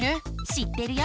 知ってるよ！